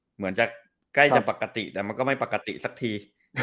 เหมือนจะใกล้จะปกติแต่มันก็ไม่ปกติสักที